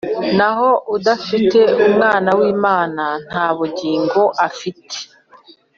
Naho udafite Umwana w'Imana nta bugingo afite."